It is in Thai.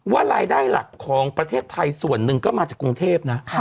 รายได้หลักของประเทศไทยส่วนหนึ่งก็มาจากกรุงเทพนะ